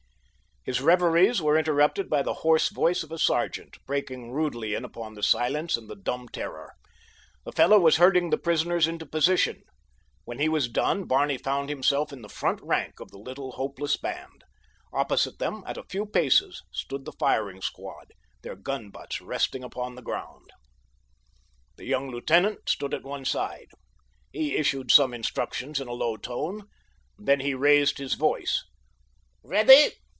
His reveries were interrupted by the hoarse voice of a sergeant, breaking rudely in upon the silence and the dumb terror. The fellow was herding the prisoners into position. When he was done Barney found himself in the front rank of the little, hopeless band. Opposite them, at a few paces, stood the firing squad, their gun butts resting upon the ground. The young lieutenant stood at one side. He issued some instructions in a low tone, then he raised his voice. "Ready!"